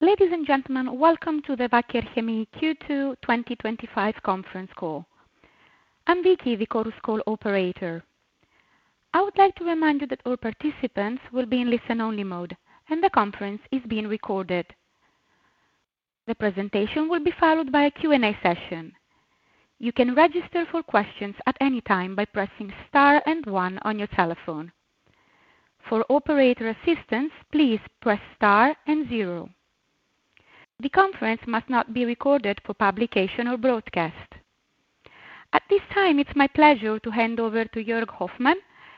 Ladies and gentlemen, welcome to the Wacker Chemie AG Q2 2025 conference call. I'm Vicky, the Chorus Call operator. I would like to remind you that all participants will be in listen-only mode and the conference is being recorded. The presentation will be followed by a Q&A session. You can register for questions at any time by pressing STAR and 1 on your telephone. For operator assistance, please press STAR and 0. The conference must not be recorded for publication or broadcast at this time. It's my pleasure to hand over to Jörg Hoffmann,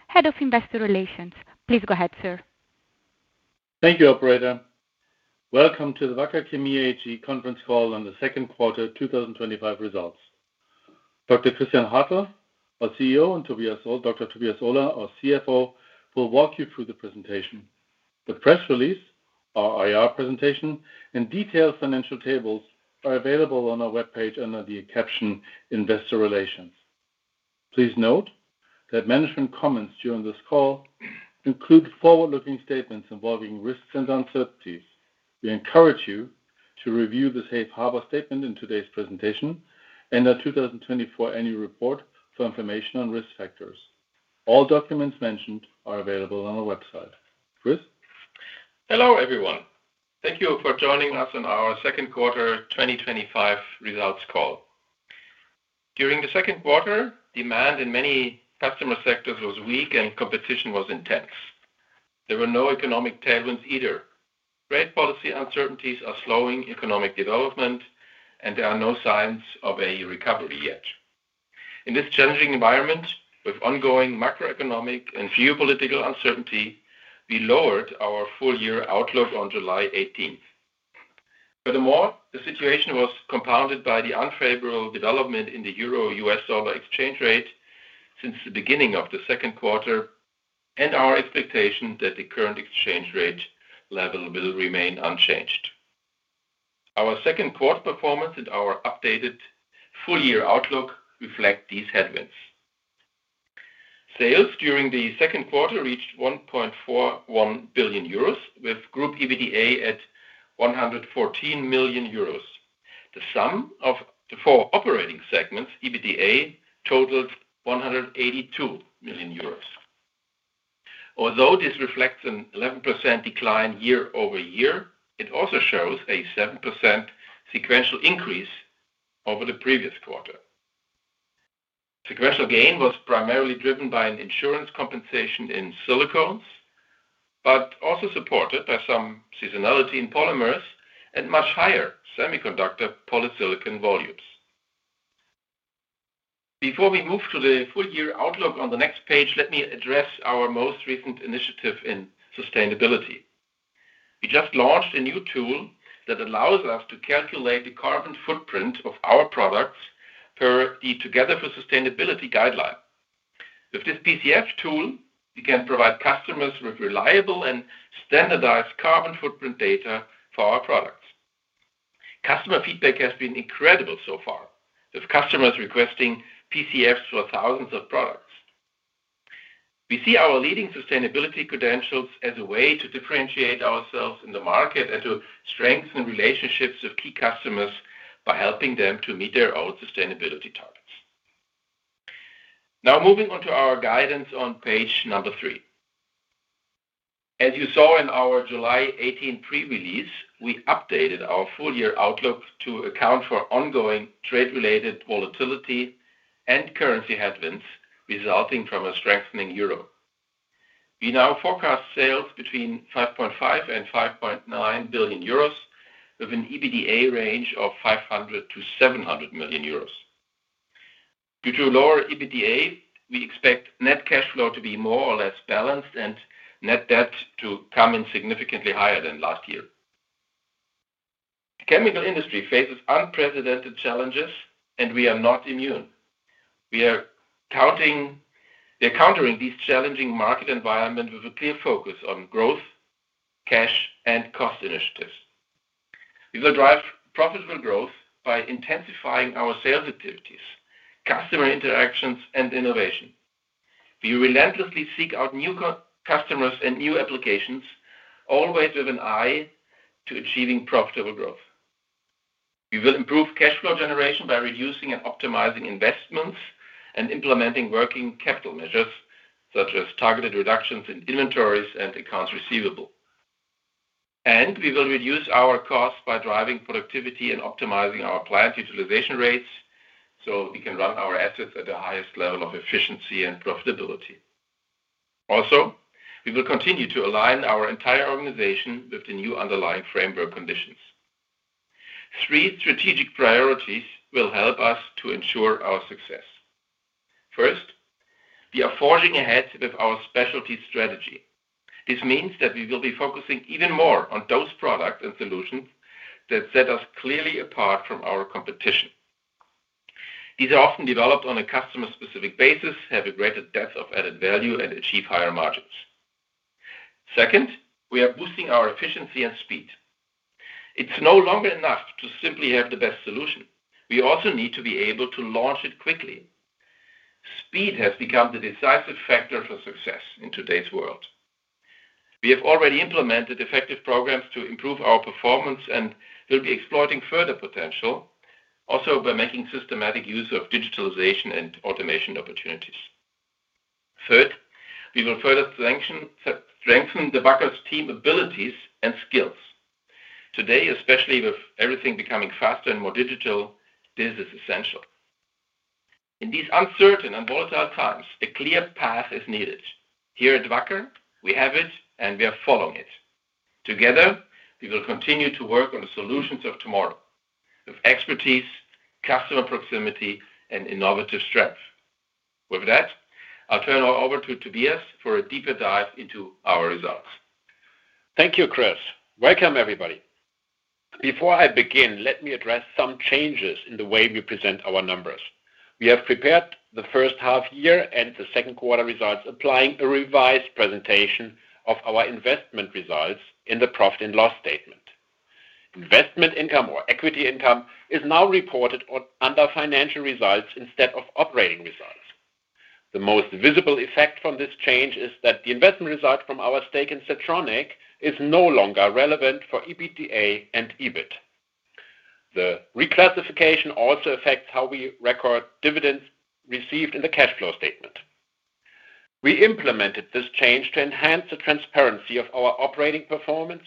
Head of Investor Relations. Please go ahead, sir. Thank you, operator. Welcome to the Wacker Chemie AG Conference call on the second quarter 2025 results. Dr. Christian Hartel, our CEO, and Dr. Tobias Ohler, our CFO, will walk you through the presentation. The press release, our IR presentation, and detailed financial tables are available on our webpage under the caption Investor Relations. Please note that management comments during this call include forward-looking statements involving risks and uncertainties. We encourage you to review the Safe Harbor statement in today's presentation and our 2024 annual report for information on risk factors. All documents mentioned are available on our website. Hello everyone. Thank you for joining us on our second quarter 2025 results call. During the second quarter, demand in many customer sectors was weak and competition was intense. There were no economic tailwinds either. Great policy uncertainties are slowing economic development, and there are no signs of a recovery yet. In this challenging environment with ongoing macroeconomic and geopolitical uncertainty, we lowered our full year outlook on July 18. Furthermore, the situation was compounded by the unfavorable development in the Euro/USD exchange rate since the beginning of the second quarter and our expectation that the current exchange rate level will remain unchanged. Our second quarter performance and our updated full year outlook reflect these headwinds. Sales during the second quarter reached €1.41 billion with Group EBITDA at €114 million. The sum of the four operating segments' EBITDA totaled €182 million. Although this reflects an 11% decline year over year, it also shows a 7% sequential increase over the previous quarter. The sequential gain was primarily driven by an insurance compensation in silicones, but also supported by some seasonality in polymers and much higher semiconductor-grade polysilicon volumes. Before we move to the full year outlook on the next page, let me address our most recent initiative in sustainability. We just launched a new tool that allows us to calculate the carbon footprint of our products per the Together for Sustainability guideline. With this PCF tool, we can provide customers with reliable and standardized carbon footprint. Data for our products. Customer feedback has been incredible so far, with customers requesting PCFs for thousands of products. We see our leading sustainability credentials as a way to differentiate ourselves in the market and to strengthen relationships with key customers by helping them to meet their own sustainability targets. Now, moving on to our guidance on page number three. As you saw in our July 18 pre-release, we updated our full-year outlook to account for ongoing trade-related volatility and currency headwinds resulting from a strengthening Euro. We now forecast sales between €5.5 billion and €5.9 billion, with an EBITDA range of €500 million to €700 million. Due to lower EBITDA, we expect net cash flow to be more or less balanced, and net debt to come in significantly higher than last year. The chemical industry faces unprecedented challenges, and we are not immune. We are countering these challenging market environments with a clear focus on growth, cash, and cost initiatives. We will drive profitable growth by intensifying our sales activities, customer interactions, and innovation. We relentlessly seek out new customers and new applications, always with an eye to achieving profitable growth. We will improve cash flow generation by reducing and optimizing investments and implementing working capital measures such as targeted reductions in inventories and accounts receivable. We will reduce our costs by driving productivity and optimizing our plant utilization rates so we can run our assets at the highest level of efficiency and profitability. Also, we will continue to align our entire organization with the new underlying framework conditions. Three strategic priorities will help us to ensure our success. First, we are forging ahead with our specialty strategy. This means that we will be focusing even more on those products and solutions that set us clearly apart from our competition. These are often developed on a customer-specific basis, have a greater depth of added value, and achieve higher margins. Second, we are boosting our efficiency and speed. It's no longer enough to simply have the best solution; we also need to be able to launch it quickly. Speed has become the decisive factor for success in today's world. We have already implemented effective programs to improve our performance and will be exploiting further potential, also by making systematic use of digitalization and automation opportunities. Third, we will further strengthen the Wacker team's abilities and skills today, especially with everything becoming faster and more digital. This is essential in these uncertain and volatile times. A clear path is needed here at Wacker. We have it, and we are following it together. We will continue to work on the solutions of tomorrow with expertise, customer proximity, and innovative strength. With that, I'll turn over to Tobias for a deeper dive into our results. Thank you, Chris. Welcome everybody. Before I begin, let me address some changes in the way we present our numbers. We have prepared the first half year and the second quarter results, applying a revised presentation of our investment results. In the profit and loss statement, investment income or equity income is now reported under financial results instead of operating results. The most visible effect from this change is that the investment result from our stake in Siltronic is no longer relevant for EBITDA. The reclassification also affects how we record dividends received in the cash flow statement. We implemented this change to enhance the transparency of our operating performance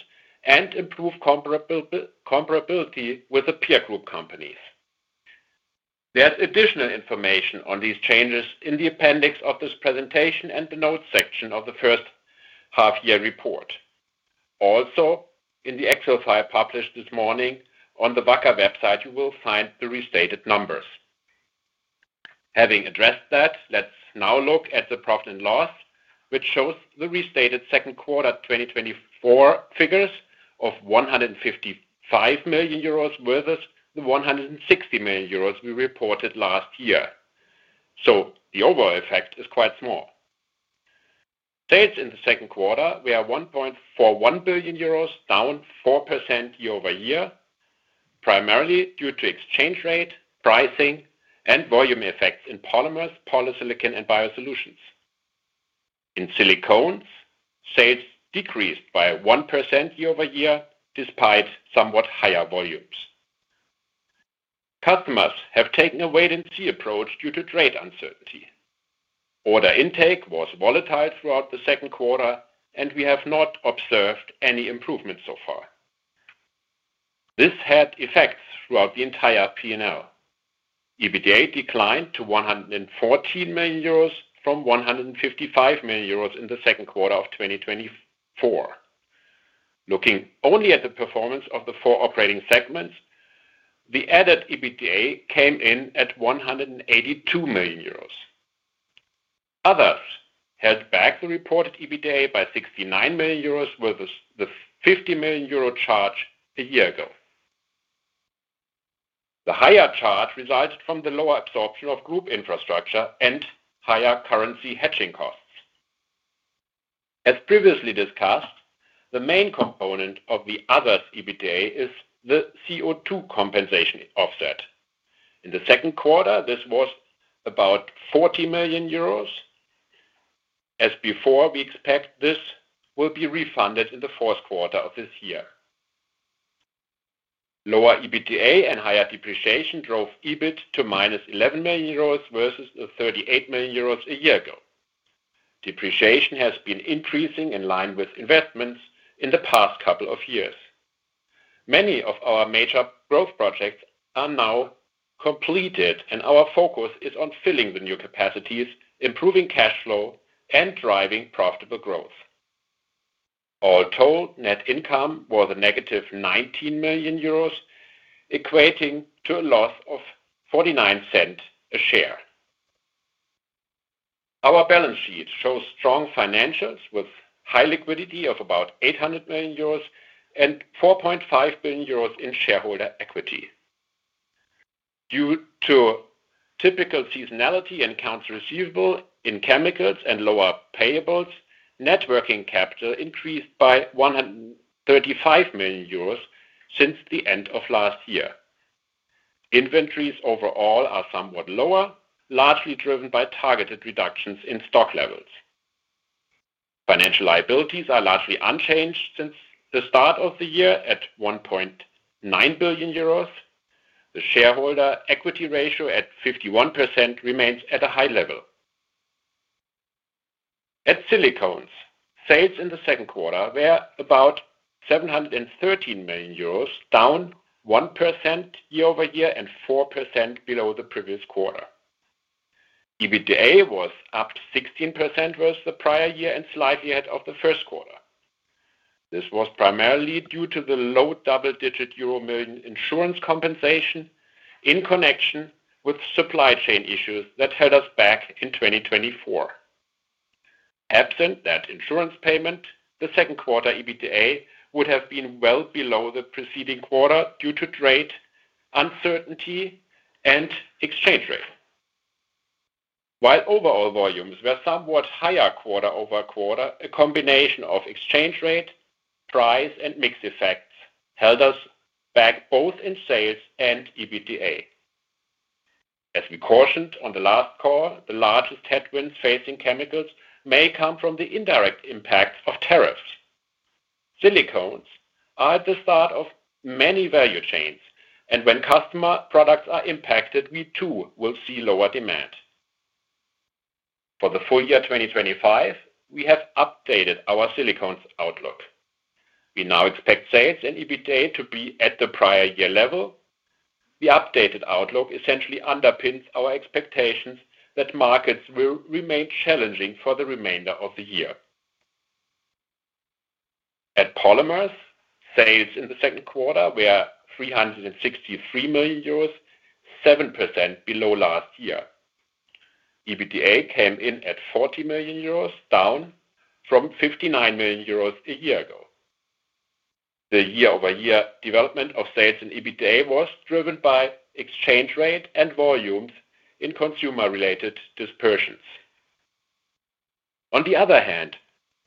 and improve comparability with the peer group companies. There is additional information on these changes in the appendix of this presentation and the notes section of the first half year report. Also, in the Excel file published this morning on the Wacker website, you will find the restated numbers. Having addressed that, let's now look at the profit and loss which shows the restated second quarter 2024 figures of €155 million versus the €160 million we reported last year, so the overall effect is quite small. Sales in the second quarter were €1.41 billion, down 4% year over year, primarily due to exchange rate, pricing, and volume effects in polymers, polysilicon, and biosolutions. In silicones, sales decreased by 1% year over year despite somewhat higher volumes. Customers have taken a wait and see approach due to trade uncertainty. Order intake was volatile throughout the second quarter and we have not observed any improvement so far. This had effects throughout the entire P&L. EBITDA declined to €114 million from €155 million in the second quarter of 2024. Looking only at the performance of the four operating segments, the added EBITDA came in at €182 million. Others held back the reported EBITDA by €69 million versus the €50 million charge a year ago. The higher charge resulted from the lower absorption of group infrastructure and higher currency hedging costs. As previously discussed, the main component of the others EBITDA is the CO2 compensation offset. In the second quarter, this was about €40 million. As before, we expect this will be refunded in the fourth quarter of this year. Lower EBITDA and higher depreciation drove EBIT to minus €11 million versus €38 million a year ago. Depreciation has been increasing in line with investments in the past couple of years. Many of our major growth projects are now completed and our focus is on filling the new capacities, improving cash flow, and driving profitable growth. All told, net income was a negative €19 million, equating to a loss of €0.49 a share. Our balance sheet shows strong financials with high liquidity of about €800 million and €4.5 billion in shareholder equity due to typical seasonality and accounts receivable in chemicals and lower payables. Net working capital increased by €135 million since the end of last year. Inventories overall are somewhat lower, largely driven by targeted reductions in stock levels. Financial liabilities are largely unchanged since the start of the year at €1.9 billion. The shareholder equity ratio at 51% remains at a high level. At silicones, sales in the second quarter were about €713 million, down 1% year over year and 4% below the previous quarter. EBITDA was up 16% versus the prior year and slightly ahead of the first quarter. This was primarily due to the low double-digit euro million insurance compensation in connection with supply chain issues that held us back in 2024. Absent that insurance payment, the second quarter EBITDA would have been well below the preceding quarter due to trade uncertainty and exchange rate, while overall volumes were somewhat higher quarter over quarter. A combination of exchange rate, price, and mix effects held us back both in sales and EBITDA. As we cautioned on the last call, the largest headwinds facing chemicals may come from the indirect impact of tariffs. Silicones are at the start of many value chains and when customer products are impacted, we too will see lower demand. For the full year 2025, we have updated our silicones outlook. We now expect sales and EBITDA to be at the prior year level. The updated outlook essentially underpins our expectations that markets will remain challenging for the remainder of the year. At polymers, sales in the second quarter were €363 million, 7% below last year. EBITDA came in at €40 million, down from €59 million a year ago. The year over year development of sales and EBITDA was driven by exchange rate and volumes in consumer-related dispersions. On the other hand,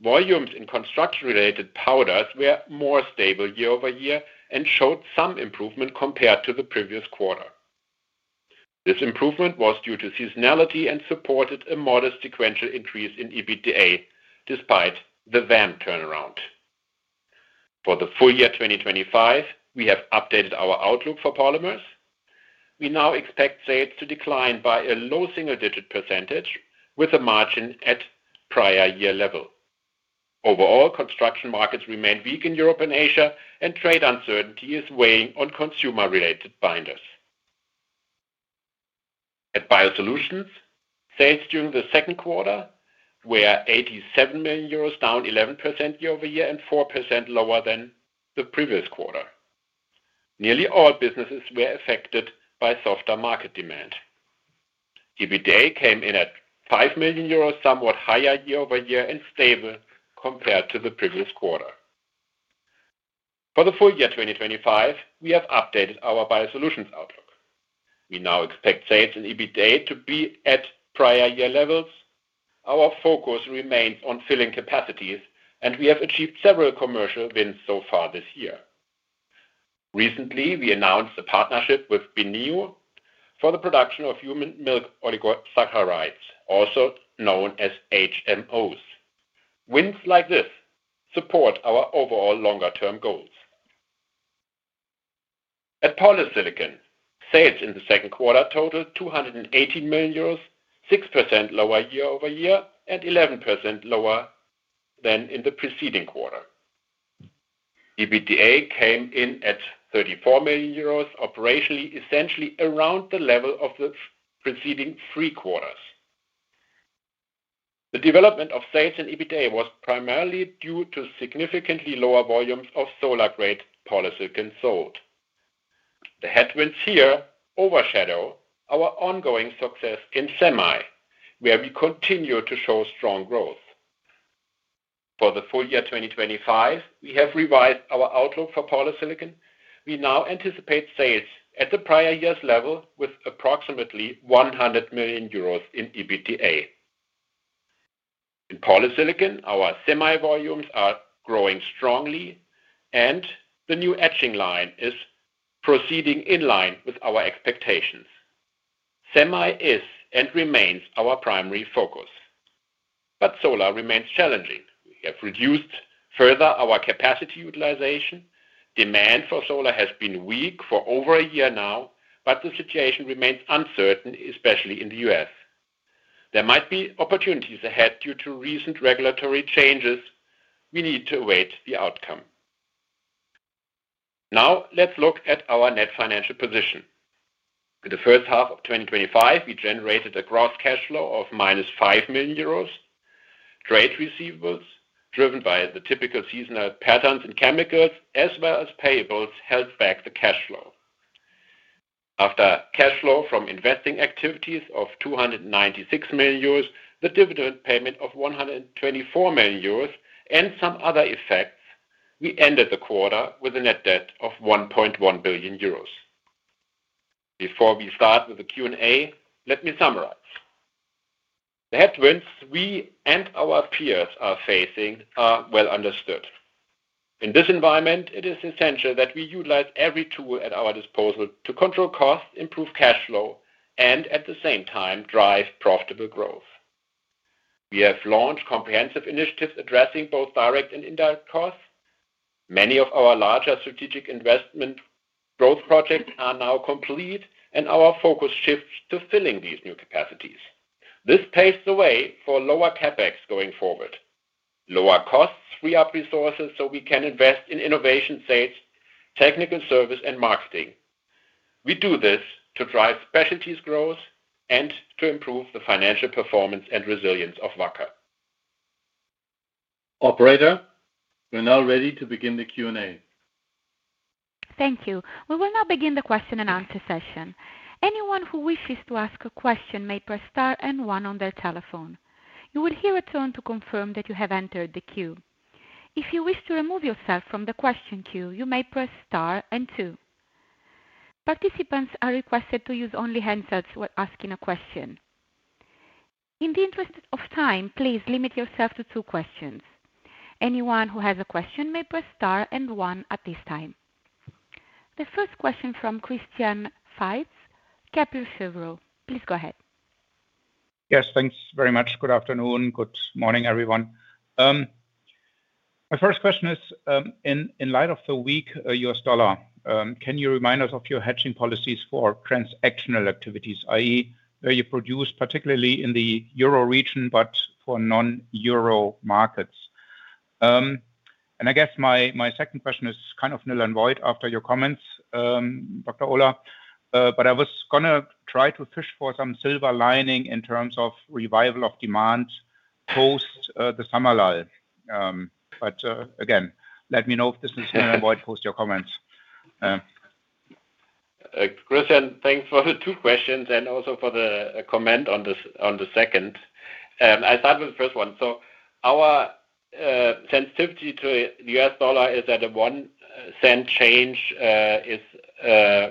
volumes in construction-related powders were more stable year over year and showed some improvement compared to the previous quarter. This improvement was due to seasonality and supported a modest sequential increase in EBITDA despite the VAM turnaround. For the full year 2025, we have updated our outlook for polymers. We now expect sales to decline by a low single digit % with a margin at prior year level. Overall, construction markets remain weak in Europe and Asia, and trade uncertainty is weighing on consumer-related binders. At Biosolutions, sales during the second quarter were €87 million, down 11% year over year and 4% lower than the previous quarter. Nearly all businesses were affected by softer market demand. EBITDA came in at €5 million, somewhat higher year over year and stable compared to the previous quarter. For the full year 2025, we have updated our Biosolutions outlook. We now expect sales and EBITDA to be at prior year levels. Our focus remains on filling capacities, and we have achieved several commercial wins so far this year. Recently, we announced a partnership with Inbiose for the production of human milk oligosaccharides, also known as HMOs. Wins like this support our overall longer term goals. At Polysilicon, sales in the second quarter totaled €218 million, 6% lower year over year and 11% lower than in the preceding quarter. EBITDA came in at €34 million operationally, essentially around the level of the preceding three quarters. The development of sales and EBITDA was primarily due to significantly lower volumes of solar-grade polysilicon sold. The headwinds here overshadow our ongoing success in semi where we continue to show strong growth. For the full year 2025, we have revised our outlook for Polysilicon. We now anticipate sales at the prior year's level with approximately €100 million in EBITDA. In polysilicon, our semi volumes are growing strongly and the new etching line is proceeding in line with our expectations. Semi is and remains our primary focus, but solar remains challenging. We have reduced further our capacity utilization. Demand for solar has been weak for over a year now, yet the situation remains uncertain, especially in the U.S. There might be opportunities ahead due to recent regulatory changes. We need to await the outcome. Now let's look at our net financial position. In the first half of 2025, we generated a gross cash flow of -€5 million. Trade receivables driven by the typical seasonal patterns in chemicals as well as payables held back the cash flow after cash flow from investing activities of €296 million, the dividend payment of €124 million, and some other effects. We ended the quarter with a net debt of €1.1 billion. Before we start with the Q&A, let me summarize. The headwinds we and our peers are facing are well understood. In this environment, it is essential that we utilize every tool at our disposal to control costs, improve cash flow, and at the same time drive profitable growth. We have launched comprehensive initiatives addressing both direct and indirect costs. Many of our larger strategic investment growth projects are now complete and our focus shifts to filling these new capacities. This paves the way for lower CapEx going forward. Lower costs free up resources so we can invest in innovation, sales, technical service, and marketing. We do this to drive specialties growth and to improve the financial performance and resilience of Wacker. Operator, we are now ready to begin the Q&A. Thank you. We will now begin the question and answer session. Anyone who wishes to ask a question may press star and 1 on their telephone. You will hear a tone to confirm that you have entered the queue. If you wish to remove yourself from the question queue, you may press star and 2. Participants are requested to use only handsets when asking a question. In the interest of time, please limit yourself to two questions. Anyone who has a question may press star and 1 at this time. The first question from Christian Faitz, Kepler Cheuvreux. Please go ahead. Yes, thanks very much. Good afternoon. Good morning, everyone. My first question is in light of. The weak U.S. dollar, can you remind us of your hedging policies for transactional activities, that is where you produce, particularly in the Euro region, but for non-Euro markets? I guess my second question is. Kind of null and void after your. Comments Dr. Ohler, I was going to try to fish for some silver lining in terms of revival of demand. Post the summer lull, let. me know if this is. Post your comments. Christian, thanks for the two questions and also for the comment on the second. I start with the first one. Our sensitivity to the U.S. dollar is that a $0.01 change is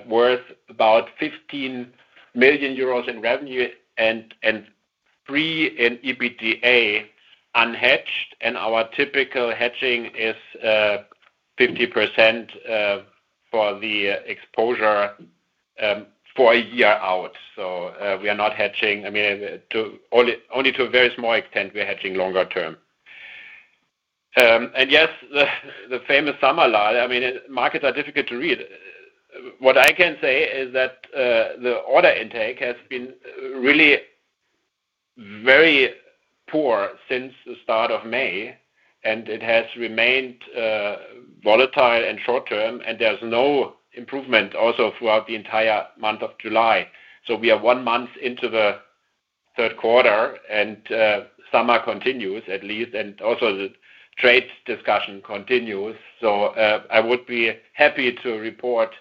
worth about €15 million in revenue and €3 million in EBITDA unhedged. Our typical hedging is 50% for the exposure for a year out. We are not hedging, I mean only to a very small extent. We are hedging longer term. Yes, the famous summer lie. Markets are difficult to read. What I can say is that the order intake has been really very poor since the start of May and it has remained volatile and short term, and there's no improvement also throughout the entire month of July. We are one month into the third quarter and summer continues at least, and also the trade discussion continues. I would be happy to report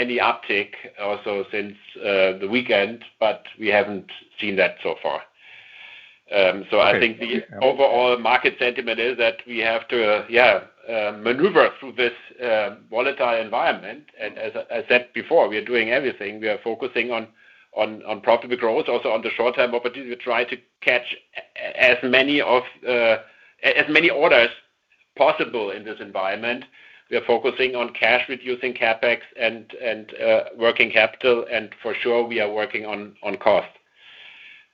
any uptick also since the weekend, but we haven't seen that so far. I think the overall market sentiment is that we have to maneuver through this volatile environment and as I said before, we are doing everything. We are focusing on profitable growth. Also on the short term opportunity, we try to catch as many orders as possible in this environment. We are focusing on cash, reducing CapEx and working capital, and for sure we are working on cost.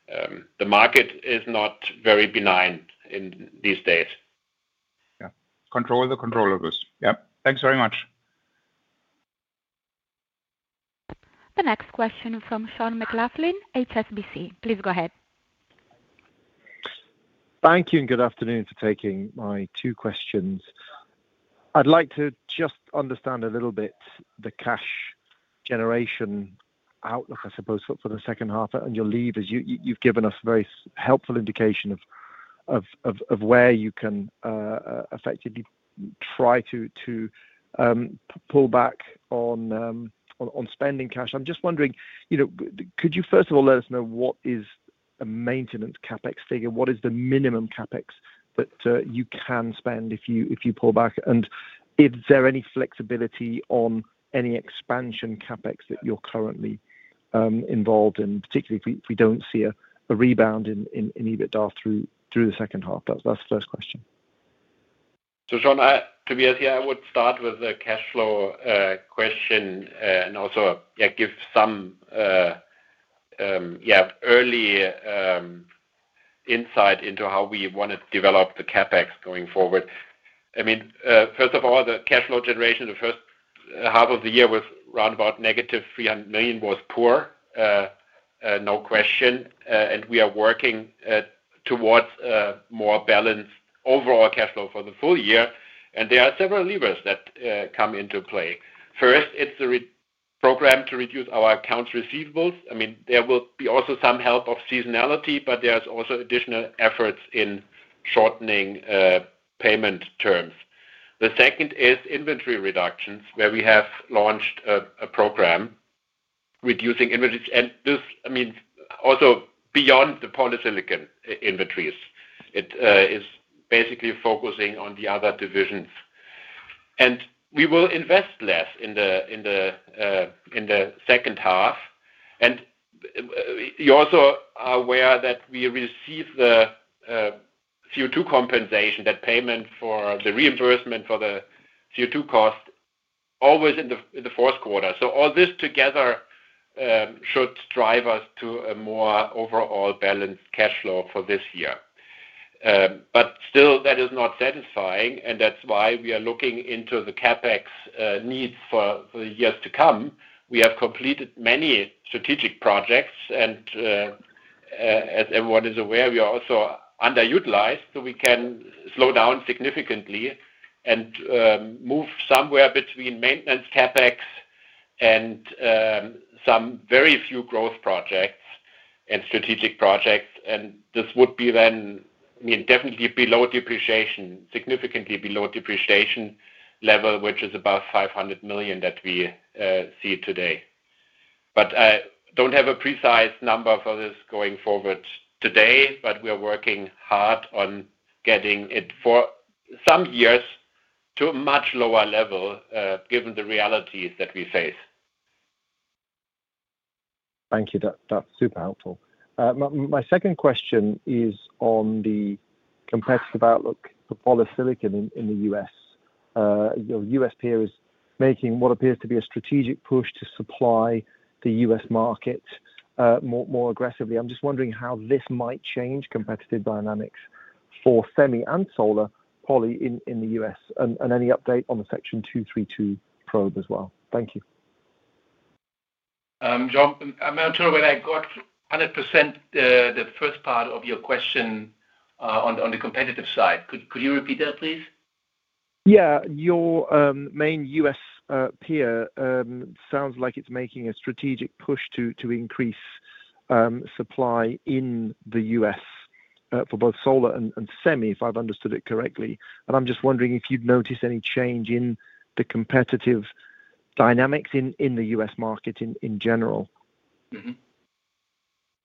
The market is not very benign these days. Control the controller boost. Thanks very much. The next question from Sean McLoughlin, HSBC, please go ahead. Thank you and good afternoon for taking my two questions. I'd like to just understand a little bit the cash generation outlook I suppose for the second half and your leave as you've given us very helpful indication of where you can effectively try to pull back on spending cash. I'm just wondering, could you first of all let us know what is a maintenance CapEx figure? What is the minimum CapEx that you can spend if you pull back and is there any flexibility on any expansion CapEx that you're currently involved in, particularly if we don't see a rebound in EBITDA through the second half? That's the first question. To be as yeah, I would start with a cash flow question and also give some. Early. Insight into how we want to develop the CapEx going forward. First of all, the cash flow generation, the first half of the year was around about negative €300 million, was poor, no question. We are working towards more balanced overall cash flow for the full year, and there are several levers that come into play. First, it's a program to reduce our accounts receivables. There will be also some help of seasonality, but there's also additional efforts in shortening payment terms. The second is inventory reductions, where we have launched a program reducing inventories, and this means also beyond the polysilicon inventories. It is basically focusing on the other divisions, and we will invest less in the second half. You also are aware that we receive the CO2 compensation, that payment for the reimbursement for the CO2 cost always in the fourth quarter. All this together should drive us to a more overall balanced cash flow for this year. That is not satisfying, and that's why we are looking into the CapEx needs for years to come. We have completed many strategic projects, and as everyone is aware, we are also underutilized. We can slow down significantly and move somewhere between maintenance CapEx and some very few growth projects, strategic projects. This would be then definitely below depreciation, significantly below depreciation level, which is above €500 million that we see today. I don't have a precise number for this going forward today, but we are working hard on getting it for some years to a much lower level, given the realities that we face. Thank you, that's super helpful. My second question is on the competitive outlook for polysilicon in the U.S. U.S. peer is making what appears to. Be a strategic push to supply the U.S. market more aggressively. I'm just wondering how this might change competitive dynamics for semi and solar polysilicon. In the U.S. and any update on the Section 232 investigation as well. Thank you. Jörg. I'm not sure when I got 100%. The first part of your question on the competitive side, could you repeat that please? Yeah. Your main U.S. peer sounds like it's making a strategic push to increase supply in the U.S. for both solar and semi, if I've understood it correctly. I'm just wondering if you'd notice any change in the competitive dynamics in the U.S. market in general.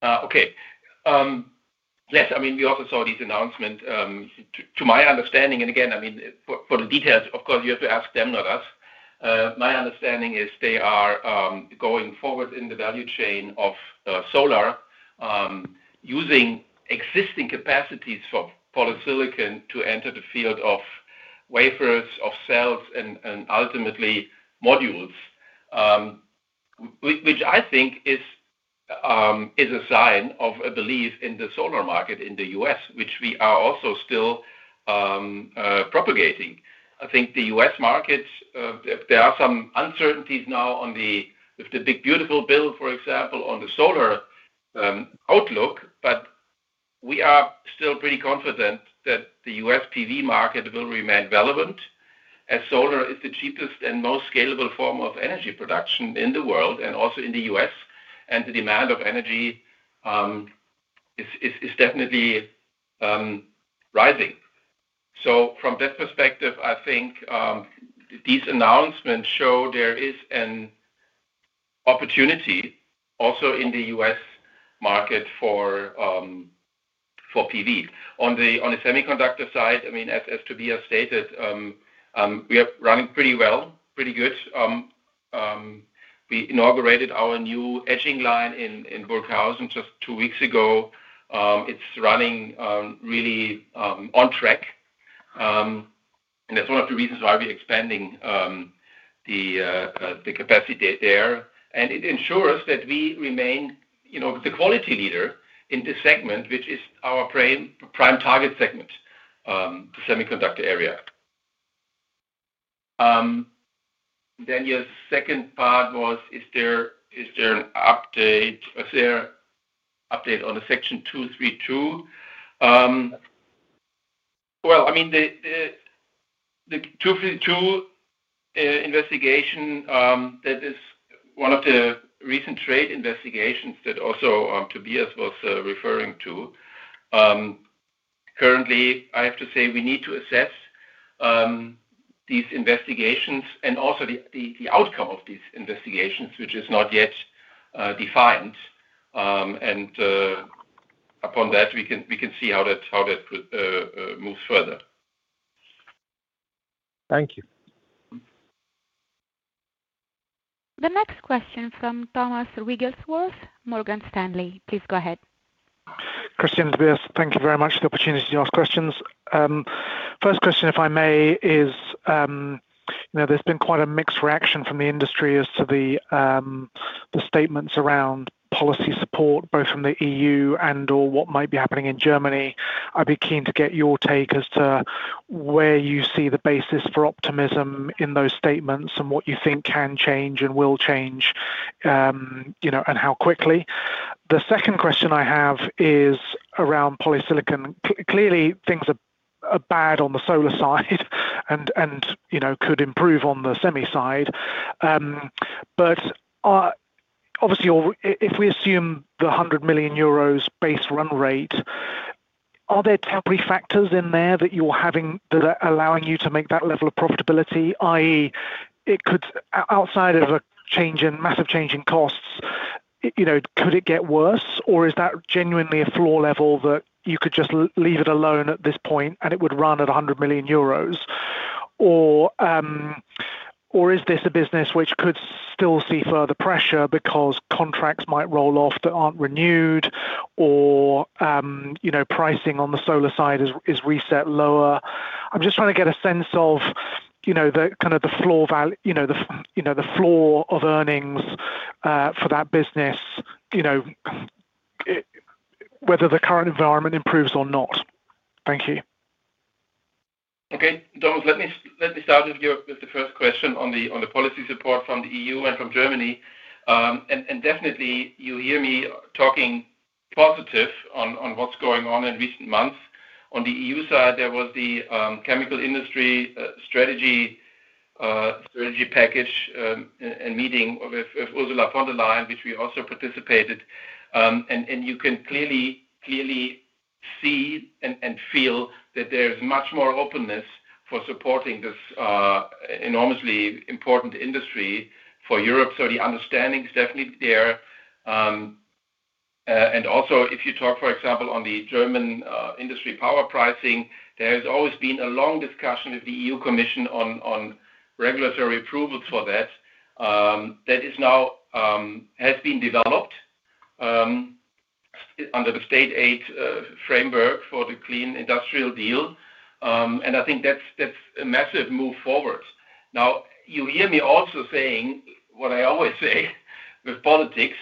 Okay. Yes. I mean we also saw these announcements. To my understanding, and again, I mean for the details, of course, you have to ask them, not us. My understanding is they are going forward in the value chain of solar using existing capacities for polysilicon to enter the field of wafers, of cells, and ultimately. Modules. Which I think is a sign of a belief in the solar market in the U.S., which we are also still propagating. I think the U.S. market, there are some uncertainties now on the big beautiful build, for example, on the solar outlook, but we are still pretty confident that the U.S. PV market will remain relevant as solar is the cheapest and most scalable form of energy production in the world and also in the U.S., and the demand of energy is definitely rising. From that perspective, I think these announcements show there is an opportunity also in the U.S. market for PV. On the semiconductor side, as Tobias stated, we are running pretty well, pretty good. We inaugurated our new etching line in Burghausen just two weeks ago. It's running really on track, and that's one of the reasons why we're expanding the capacity there, and it ensures that we remain the quality leader in this segment, which is our prime target segment, the semiconductor area. Your second part was the update on the Section 232. The Section 232 investigation, that is one of the recent trade investigations that also Tobias was referring to. Currently, I have to say we need to assess these investigations and also the outcome of these investigations, which is not yet defined. Upon that, we can see how that moves further. Thank you. The next question from Thomas Wrigglesworth, Morgan Stanley. Please go ahead. Thank you very much for the opportunity to ask questions. First question, if I may, is there's been quite a mixed reaction from the industry as to the statements around policy support both from the EU and, or what might be happening in Germany. I'd be keen to get your take as to where you see the basis for optimism in those statements and what you think can change and will change and how quickly. The second question I have is around polysilicon. Clearly things are bad on the solar side and could improve on the semi side. Obviously if we assume the €100 million base run rate, are there temporary factors in there that you're having that are allowing you to make that level of profitability that is outside of a change in massive change in costs, could it get worse? Or is that genuinely a floor level that you could just leave it alone at this point and it would run at €100 million? Or is this a business which could still see further pressure because contracts might roll off that aren't renewed or pricing on the solar side is reset lower. I'm just trying to get a sense of the kind of the floor value, the floor of earnings for that business, whether the current environment improves or not. Thank you. Okay, Thomas, let me start with you with the first question on the policy support from the EU and from Germany. You hear me talking positive on what's going on in recent months on the EU side, there was the chemical industry package and meeting with Ursula von der Leyen, which we also participated. You can clearly, clearly see and feel that there's much more openness for supporting this enormously important industry for Europe. The understanding is definitely there. Also, if you talk, for example, on the German industry power pricing, there has always been a long discussion with the EU Commission on regulatory approvals for that that now has been developed under the State Aid Framework for the Clean Industrial Deal. I think that's a massive move forward. You hear me also saying what I always say with politics,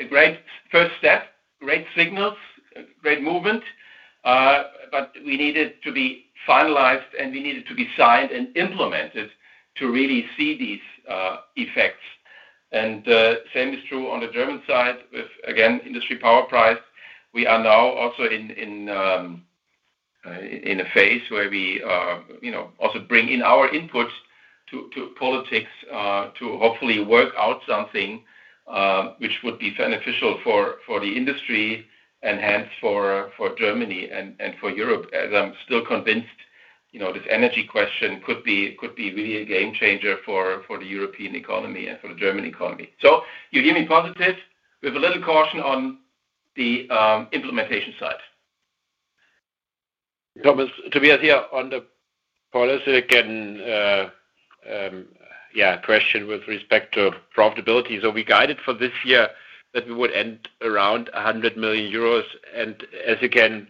a great first step, great signals, great movement, but we need it to be finalized and we need it to be signed and implemented to really see these effects. The same is true on the German side. Again, industry power price. We are now also in a phase where we also bring in our input to politics to hopefully work out something which would be beneficial for the industry, enhanced for Germany and for Europe, as I'm still convinced this energy question could be really a game changer for the European economy and for the German economy. You hear me positive with a little caution on the implementation side. Tobias here on the polysilicon question with respect to profitability. We guided for this year that we would end around €100 million. As you can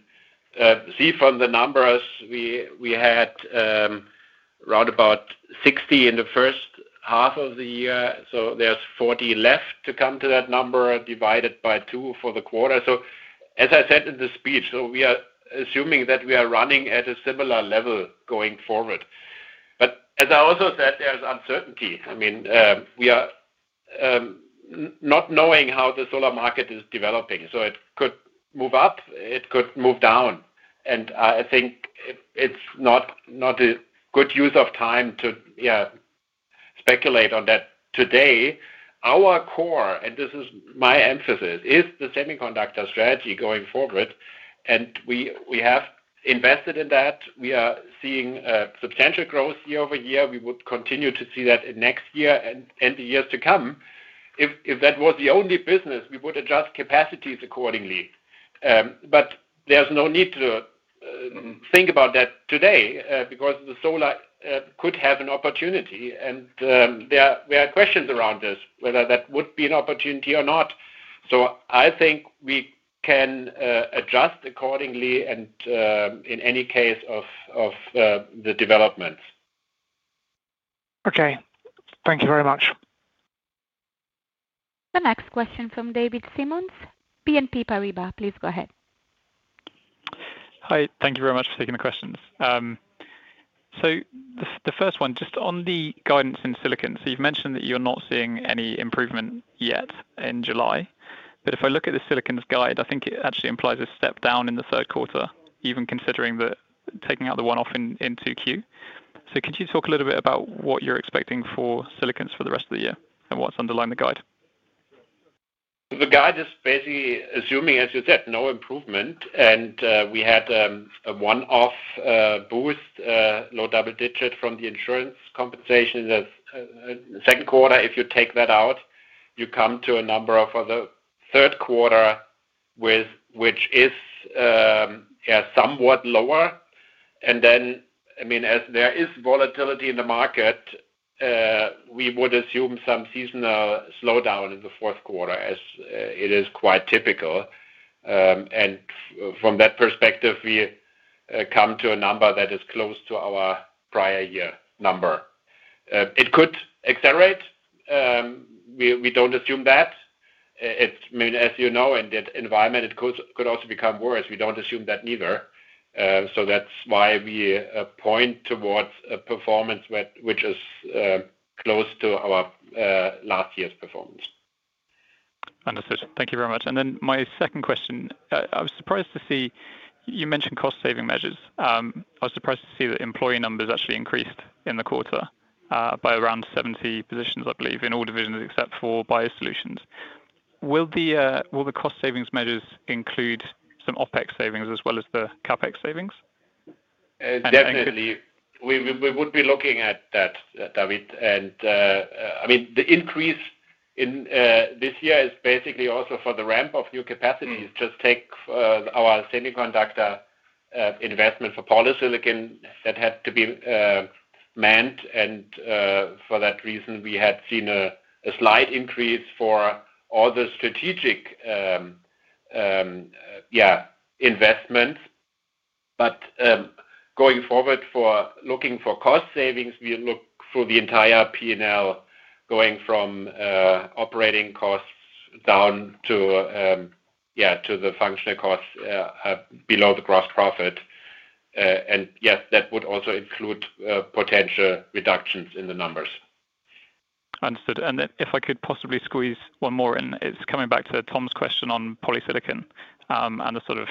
see from the numbers, we had around €60 million in the first half of the year. There's €40 million left to come to that number, divided by two for the quarter. As I said in the speech, we are assuming that we are running at a similar level going forward. As I also said, there is uncertainty. We are not knowing how the solar market is developing. It could move up, it could move down, and I think it's not a good use of time to speculate on that today. Our core, and this is my emphasis, is the semiconductor strategy going forward, and we have invested in that. We are seeing substantial growth year over year. We would continue to see that in next year and the years to come. If that was the only business, we would adjust capacities accordingly. There's no need to think about that today because the solar could have an opportunity, and there are questions around this, whether that would be an opportunity or not. I think we can adjust accordingly in any case of the developments. Okay, thank you very much. The next question from David Simmons, BNP Paribas, please go ahead. Hi, thank you very much for taking the questions. The first one just on the guidance in silicon, you've mentioned that you're not seeing any improvement yet in July. If I look at the silicon's guide, I think it actually implies a step down in the third quarter, even considering taking out the one-off in Q2. Could you talk a little bit about what you're expecting for silicon for the rest of the year and what's underlying the guide? The guide is basically assuming, as you said, no improvement, and we had a one-off boost, low double digit, from the insurance compensation second quarter. If you take that out, you come to a number for the third quarter which is somewhat lower. As there is volatility in the market, we would assume some seasonal slowdown in the fourth quarter as it is quite typical. From that perspective, we come to a number that is close to our prior year number. It could accelerate. We don't assume that, as you know, in that environment it could also become worse. We don't assume that neither. That's why we point towards a performance which is close to our last year's performance. Understood, thank you very much. My second question, I was surprised to see you mentioned cost saving measures. I was surprised to see that employee numbers actually increased in the quarter by around 70 positions. I believe in all divisions except for biosolutions. Will the cost savings measures include some OpEx savings as well as the CapEx savings? Definitely, we would be looking at that, David. I mean the increase in this year is basically also for the ramp of new capacities. Just take our semiconductor investment for polysilicon that had to be manned, and for that reason we had seen a slight increase for all the strategic investments. Going forward, for looking for cost savings, we look through the entire P&L, going from operating costs down to the functional costs below the gross profit. Yes, that would also include potential reductions in the numbers. Understood. If I could possibly squeeze one more in, it's coming back to Thomas question on polysilicon and the sort of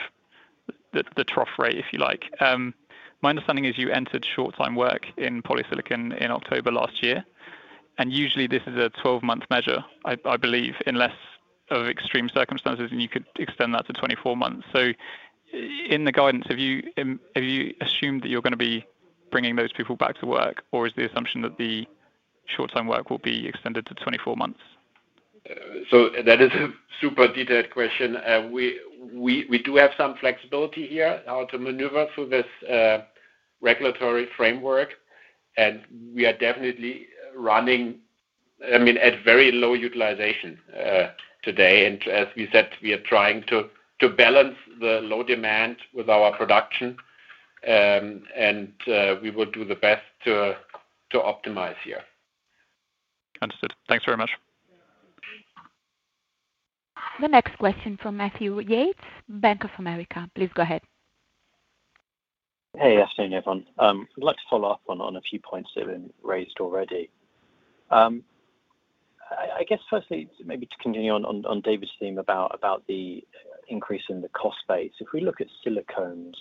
the trough rate if you like. My understanding is you entered short time work in polysilicon in October last year and usually this is a12month measurement. I believe in less of extreme circumstances you could extend that to 24 months. In the guidance, have you assumed that you're going to be bringing those people back to work or is the assumption that the short time work will be extended to 24 months? That is a super detailed question. We do have some flexibility here in how to maneuver through this regulatory framework, and we are definitely running at very low utilization today. As we said, we are trying to balance the low demand with our production, and we will do the best to optimize here. Understood, thanks very much. The next question from Matthew Yates, Bank of America, please go ahead. Hey, afternoon everyone. I'd like to follow up on a few points that have been raised already. I guess firstly, maybe to continue on David's theme about the increase in the cost base, if we look at silicones,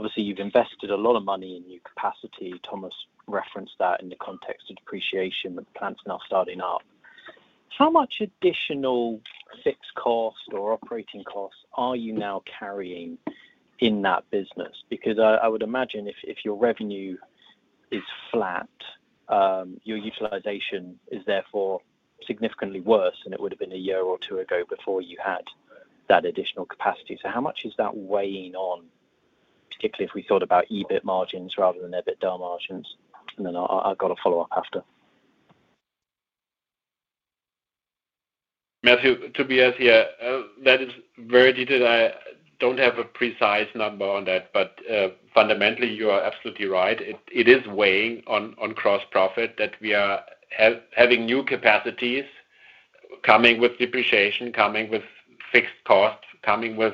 obviously you've invested a lot of money in new capacity. Thomas referenced that in the context of depreciation. With plants now starting up, how much additional fixed cost or operating costs are you now carrying in that business? I would imagine if your revenue is flat, your utilization is therefore significantly worse than it would have been a year or two ago before you had that additional capacity. How much is that weighing on, particularly if we thought about EBIT margins rather than EBITDA margins? I've got a follow up. After Matthew, to be as. That is very detailed. I don't have a precise number on that, but fundamentally you are absolutely right. It is weighing on gross profit that we are having new capacities coming with depreciation, coming with fixed costs, coming with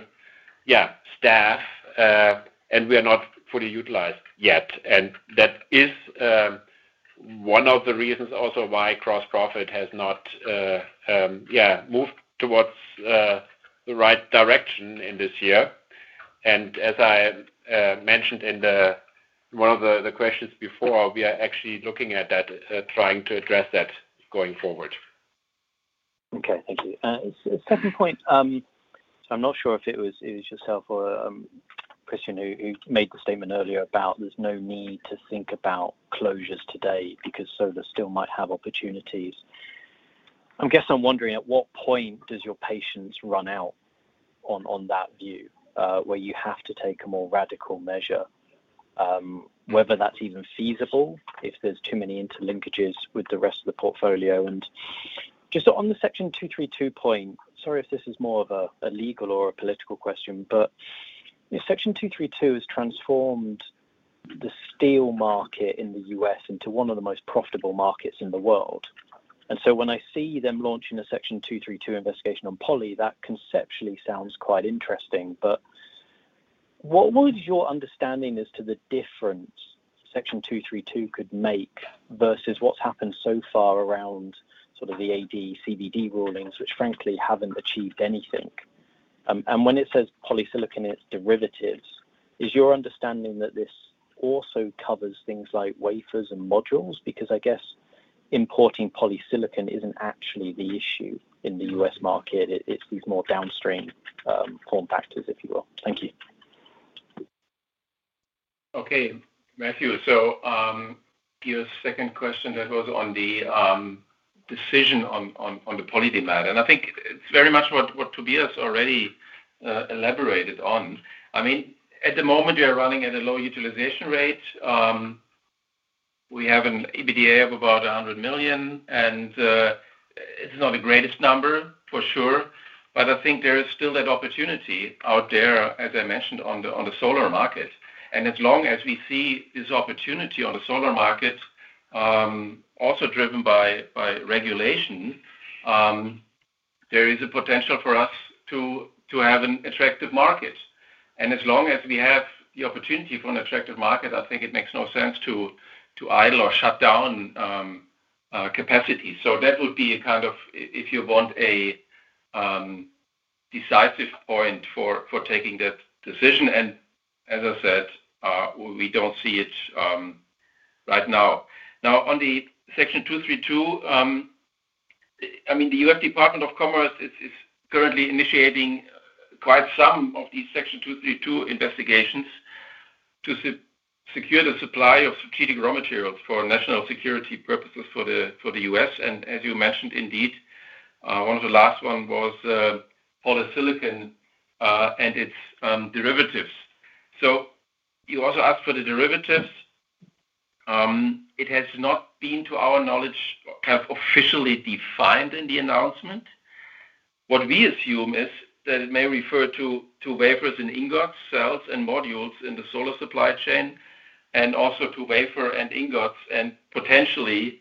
staff, and we are not fully utilized yet. That is one of the reasons also why gross profit has not moved towards the right direction in this year. As I mentioned in one of the questions before, we are actually looking at that, trying to address that going forward. Okay, thank you. Second point, I'm not sure if it was yourself or Christian who made the statement earlier about there's no need to think about closures today because solar still might have opportunities. I guess I'm wondering at what point does your patience run out on that view where you have to take a more radical measure, whether that's even feasible if there's too many interlinkages with the rest of the portfolio. Just on the Section 232 point, sorry if this is more of a legal or a political question, but Section 232 has transformed the steel market in the U.S. into one of the most profitable markets in the world. When I see them launching a Section 232 investigation on polysilicon, that conceptually sounds quite interesting. What was your understanding as to the difference Section 232 could make versus what's happened so far around the AD/CVD rulings, which frankly haven't achieved anything. When it says polysilicon, its derivatives, is your understanding that this also covers things like wafers and modules? I guess importing polysilicon isn't actually the issue in the U.S. market, it's these more downstream form factors, if you will. Thank you. Okay, Matthew, so your second question, that was on the decision on the Polydimat, and I think it's very much what Tobias already elaborated on. I mean, at the moment we are running at a low utilization rate. We have an EBITDA of about €100 million. It's not the greatest number for sure, but I think there is still that opportunity out there, as I mentioned on the solar market. As long as we see this opportunity on the solar market, also driven by regulation, there is a potential for us to have an attractive market. As long as we have the opportunity for an attractive market, I think it makes no sense to idle or shut down capacity. That would be kind of, if you want, a decisive point for taking that decision. As I said, we don't see it right now. Now on the Section 232, I mean the U.S. Department of Commerce is currently initiating quite some of these Section 232 investigations to secure the supply of strategic raw materials for national security purposes for the U.S., and as you mentioned, indeed, one of the last ones was polysilicon and its derivatives. You also asked for the derivatives. It has not been to our knowledge officially defined in the announcement. What we assume is that it may refer to wafers and ingots, cells and modules in the solar supply chain, and also to wafers and ingots and potentially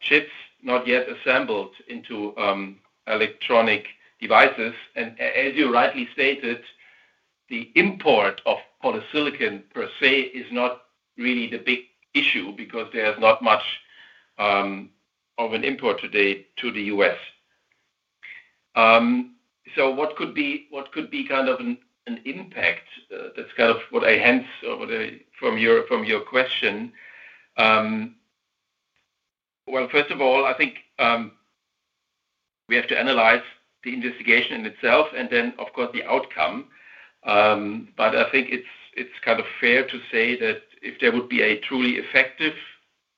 chips not yet assembled into electronic devices. As you rightly stated, the import of polysilicon per se is not really the big issue because there's not much of an import today to the U.S. What could be kind of an impact? That's kind of what I hence from your question. First of all, I think we have to analyze the investigation in itself and then of course the outcome. I think it's kind of fair to say that if there would be a truly effective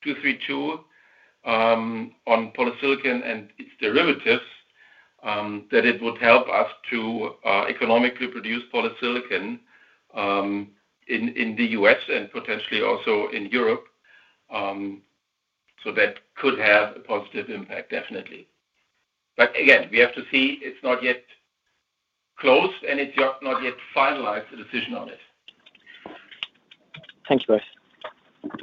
232 on polysilicon and its derivatives, it would help us to economically produce polysilicon in the U.S. and potentially also in Europe. That could have a positive impact, definitely. Again, we have to see, it's not yet closed and it's not yet finalized, the decision on it. Thank you both.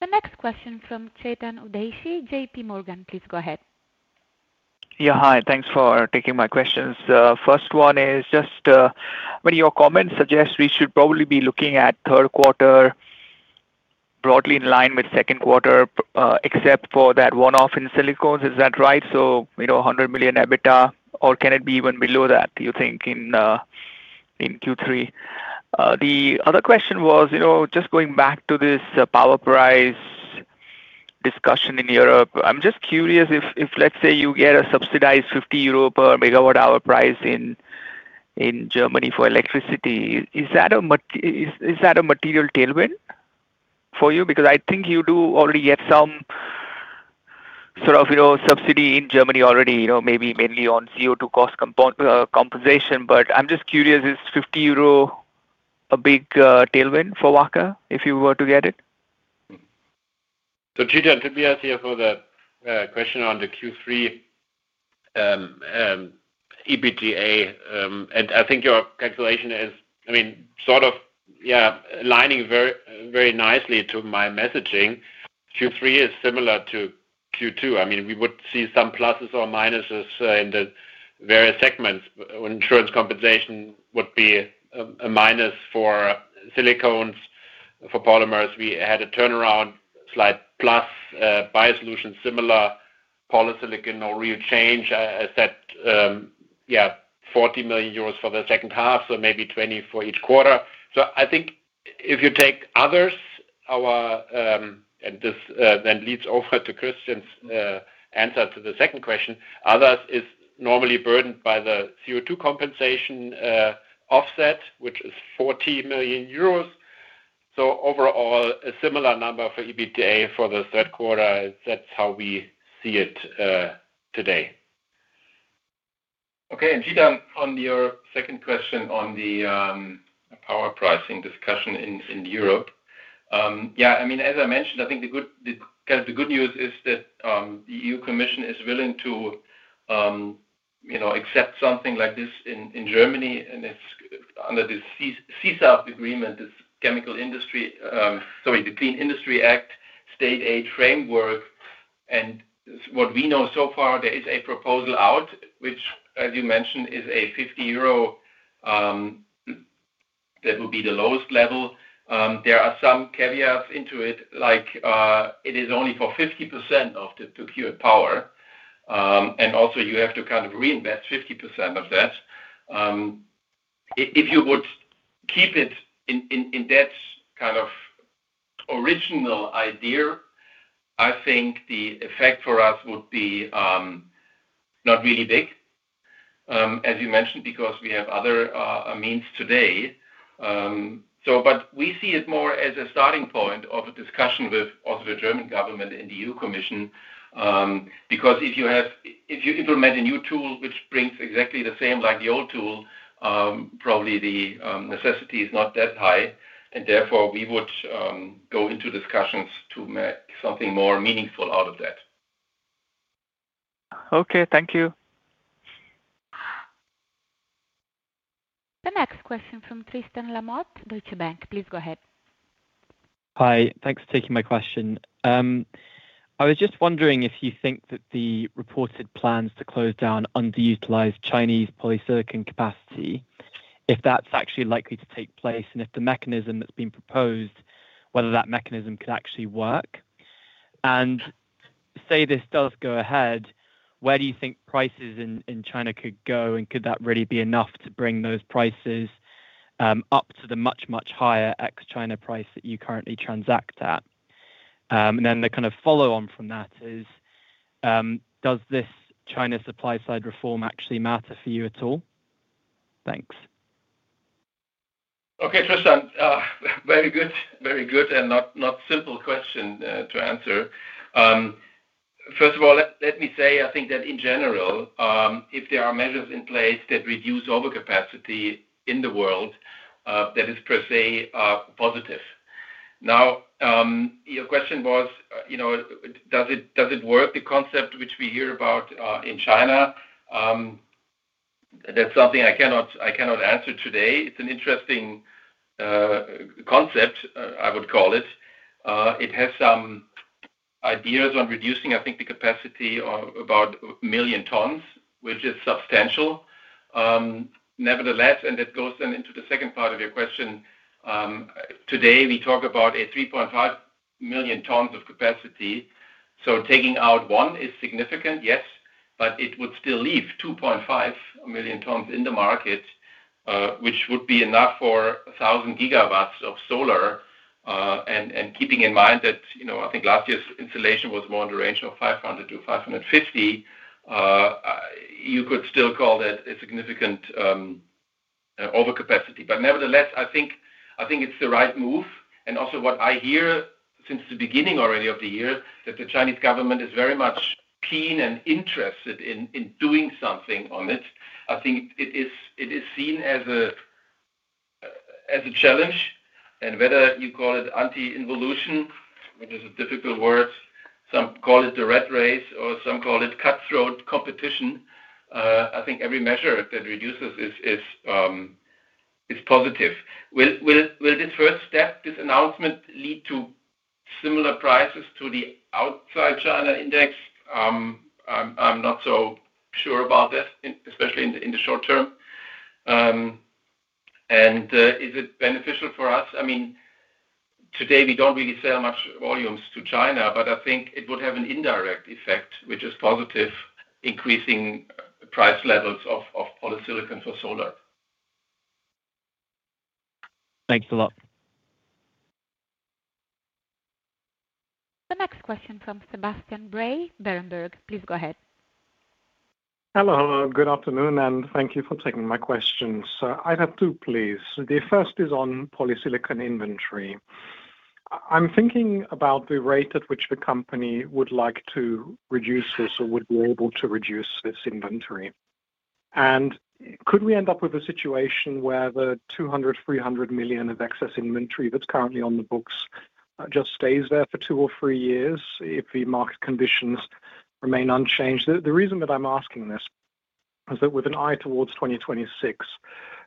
The next question from Chetan Udeshi, JPMorgan, please go ahead. Yeah, hi, thanks for taking my questions. First one is just when your comments. Suggest we should probably be looking at. Third quarter broadly in line with second quarter except for that one-off in silicones. Is that right? You know, €100 million EBITDA or can it be even below that you think in Q3. The other question was, just going back to this power price discussion in Europe, I'm just curious if, let's say, you get a subsidized €50 per megawatt hour price in Germany for electricity. Is that a material tailwind for you? I think you do already have. Some sort of subsidy in Germany already, maybe mainly on CO2 cost compensation. I'm just curious, is €50 a. Big tailwind for Wacker? If you were to get it. Gigante for the question on the Q3 EBITDA and I think your calculation is, I mean, sort of, yeah, aligning very, very nicely to my messaging. Q3 is similar to Q2. We would see some pluses or minuses in the various segments. Insurance compensation would be a minus for silicones. For polymers we had a turnaround slide plus biosolution, similar polysilicon, no real change. I said yeah, €40 million for the second half, so maybe 20 for each quarter. If you take others and this then leads over to Christian's answer to the second question. Others is normally burdened by the CO2 compensation offset, which is €40 million. Overall a similar number for EBITDA for the third quarter. That's how we see it today. Okay. On your second question on the power pricing discussion in Europe, as I mentioned, I think the good news is that the EU Commission is willing to accept something like this in Germany. It's under the CSAF agreement, the Clean Industrial Deal State Aid Framework. What we know so far is there is a proposal out, which as you mentioned, is €50. That would be the lowest level. There are some caveats to it, like it is only for 50% of the procured power and also you have to reinvest 50% of that if you would keep it in debt, kind of the original idea. I think the effect for us would not be really big, as you mentioned, because we have other means today. We see it more as a starting point of a discussion with the German government and the EU Commission because if you implement a new tool which brings exactly the same like the old tool, probably the necessity is not that high and therefore we would go into discussions to make something more meaningful out of that. Okay, thank you. The next question from Tristan Lamotte, Deutsche Bank, please go ahead. Hi, thanks for taking my question. I was just wondering if you think. That the reported plans to close down underutilized Chinese polysilicon capacity, if that's actually likely to take place and if the. Mechanism that's been proposed, whether that mechanism. Could actually work and say this does go ahead. Where do you think prices in China could go? Could that really be enough to bring those prices up to the much, much higher ex-China price that you currently transact at? The kind of follow on. Does China supply side reform actually matter for you at all? Thanks. Okay, Tristan, very good, very good. Not a simple question to answer. First of all, let me say I think that in general, if there are measures in place that reduce overcapacity in the world, that is per se positive. Now your question was does it work? The concept which we hear about in China, that's something I cannot answer today. It's an interesting concept I would call has some ideas on reducing, I think, the capacity about 1 million tons, which is substantial nevertheless. That goes into the second part of your question. Today we talk about 3.5 million tons of capacity. Taking out 1 is significant, yes, but it would still leave 2.5 million tons in the market, which would be enough for 1,000 gigawatts of solar. Keeping in mind that I think last year's installation was more in the range of 500 to 550. You could still call that a significant overcapacity, but nevertheless I think it's the right move. Also, what I hear since the beginning already of the year is that the Chinese government is very much keen and interested in doing something on it. I think it is seen as a challenge. Whether you call it anti-involution, which is a difficult word, some call it the rat race or some call it cutthroat competition, I think every measure that reduces is positive. Will this first step, this announcement, lead to similar prices to the outside China index? I'm not so sure about this, especially in the short term. Is it beneficial for us? I mean, today we don't really sell much volumes to China, but I think it would have an indirect effect which is positive. Increasing price levels of polysilicon for solar. Thanks a lot. The next question from Sebastian Bray, Berenberg, please go ahead. Hello. Hello, good afternoon and thank you for taking my questions. I have two, please. The first is on polysilicon inventory. I'm thinking about the rate at which the company would like to reduce this or would be able to reduce its inventory. Could we end up with a situation where the €200 million, €300 million of excess inventory that's currently on the books just stays there for two or three years if the market conditions remain unchanged? The reason that I'm asking this is that with an eye towards 2026,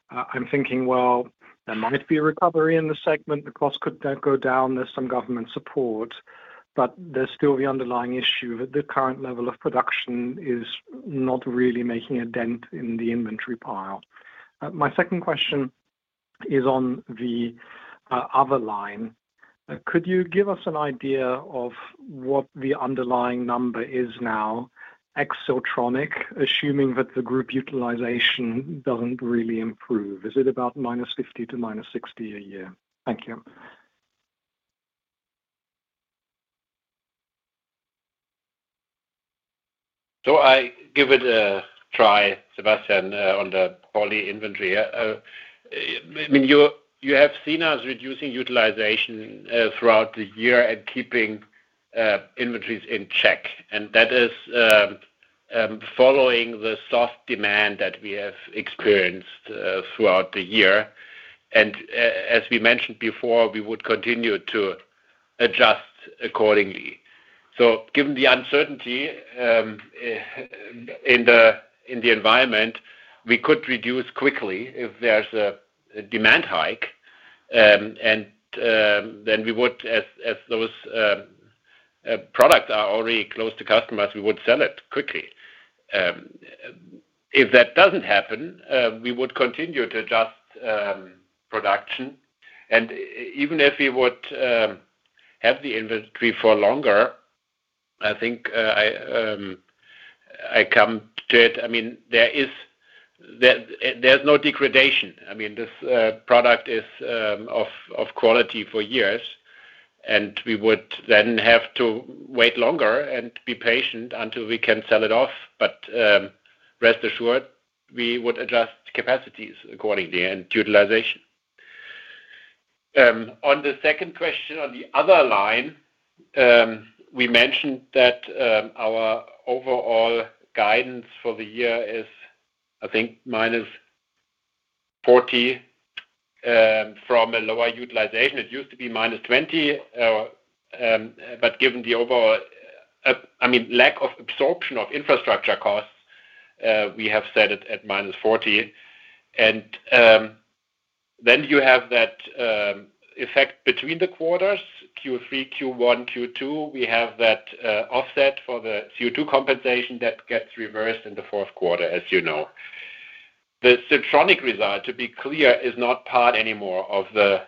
I'm thinking there might be a recovery in the segment. The cost could go down. There's some government support, but there's still the underlying issue that the current level of production is not really making a dent in the inventory. My second question is on the other line. Could you give us an idea of what the underlying number is now? Siltronic. Assuming that the group utilization doesn't really improve, is it about minus €50 million to minus €60 million a year? Thank you. I give it a try. Sebastian, on the poly inventory, you have seen us reducing utilization throughout the year and keeping inventories in check. That is following the soft demand that we have experienced throughout the year. As we mentioned before, we would continue to adjust accordingly. Given the uncertainty in the environment, we could reduce quickly if there's a demand hike and then we would, as those products are already close to customers, sell it quickly. If that doesn't happen, we would continue to adjust production. Even if we would have the inventory for longer, I think I come to it, I mean there is no degradation. This product is of quality for years and we would then have to wait longer and be patient until we can sell it off. Rest assured we would adjust capacities accordingly and utilization. On the second question on the other line, we mentioned that our overall guidance for the year is, I think, minus 40 from a lower utilization. It used to be minus 20, but given the overall lack of absorption of infrastructure costs, we have set it at minus 40 and then you have that effect between the quarters. Q3, Q1, Q2, we have that offset for the CO2 compensation that gets reversed in the fourth quarter. As you know, the Siltronic result, to be clear, is not part anymore of the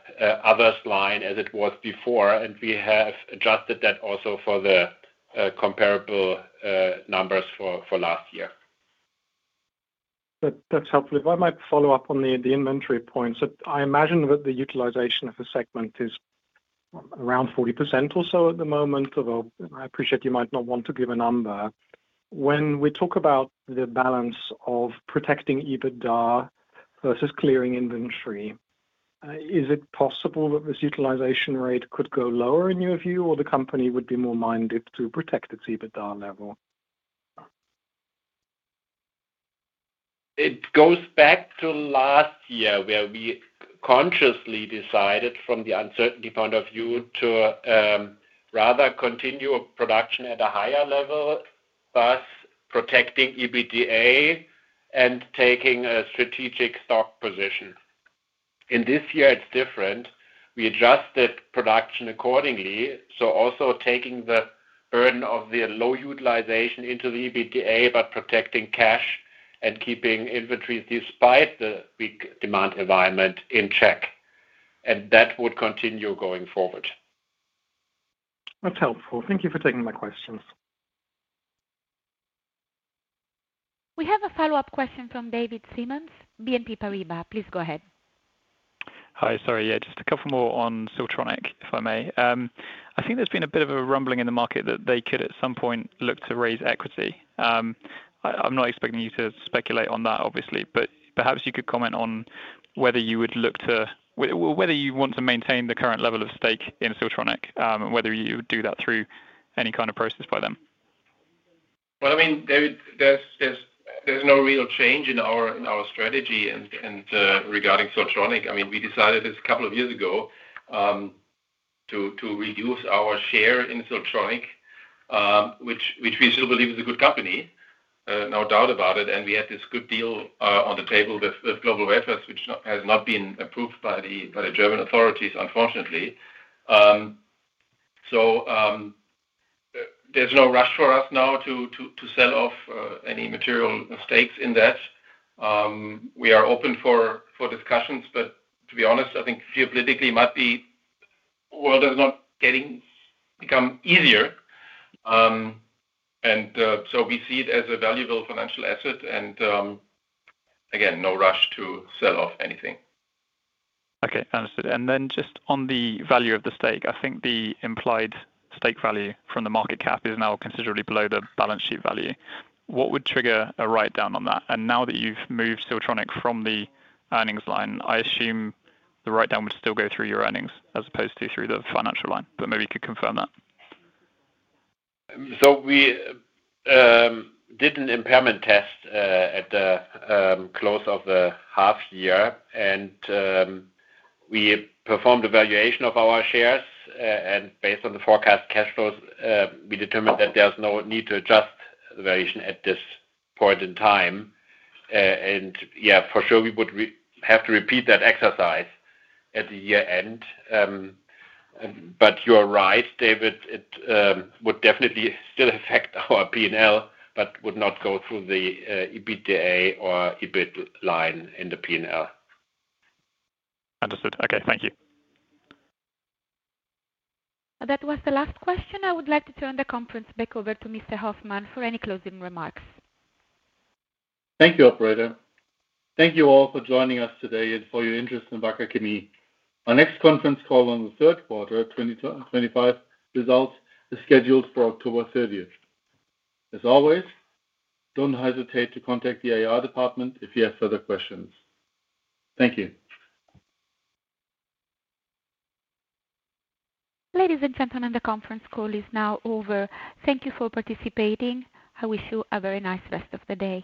others line as it was before. We have adjusted that also for the comparable numbers for last year. That's helpful. If I might follow up on the inventory points, I imagine that the utilization of the segment is around 40% or so at the moment. Although I appreciate you might not want to give a number, when we talk about the balance of protecting EBITDA versus clearing inventory, is it possible that this utilization rate could go lower in your view or the company would be more minded to protect its EBITDA level? It goes back to last year where we consciously decided from the uncertainty point of view to rather continue production at a higher level, thus protecting EBITDA and taking a strategic stock position. This year it's different. We adjusted production accordingly, also taking the burden of the low utilization into the EBITDA but protecting cash and keeping inventories, despite the weak demand environment, in check and that would continue going forward. That's helpful. Thank you for taking my questions. We have a follow-up question from David Simmons, BNP Paribas. Please go ahead. Hi, sorry, just a couple more on Siltronic if I may. I think there's been a bit of a rumbling in the market that they could at some point look to raise equity. I'm not expecting you to speculate on that obviously, but perhaps you could comment on whether you would look to whether you want to maintain the current level of stake in Siltronic, whether you do that through any kind of process by them. I mean David, there's no real change in our strategy regarding Siltronic. I mean we decided a couple of years ago to reduce our share in Siltronic, which we still believe is a good company, no doubt about it. We had this good deal on the table with GlobalWafers, which has not been approved by the German authorities unfortunately. There's no rush for us now to sell off any material stakes in that. We are open for discussions, but to be honest, I think geopolitically my world is not getting become easier. And. We see it as a valuable financial asset, and again, no rush to sell off anything. Okay, understood. Just on the value of the stake, I think the implied stake value from the market cap is now considerably below the balance sheet value. What would trigger a write down on that? Now that you've moved Siltronic from the earnings line, I assume the write down would still go through your earnings as opposed to through the financial line, but maybe you could confirm that. We did an impairment test at the close of the half year, and we performed a valuation of our shares. Based on the forecast cash flows, we determined that there's no need to adjust the valuation at this point in time. For sure, we would have to repeat that exercise at the year end. You're right, David, it would definitely still affect our P&L but would not go through the EBITDA or EBITDA line in the P&L. Understood. Okay, thank you. That was the last question. I would like to turn the conference back over to Mr. Hoffmann for any closing remarks. Thank you, operator. Thank you all for joining us today and for your interest in Wacker Chemie AG. Our next conference call on the third quarter 2025 results is scheduled for October 30. As always, don't hesitate to contact the IR department if you have further questions. Thank you. Ladies and gentlemen, the conference call is now over. Thank you for participating. I wish you a very nice rest of the day.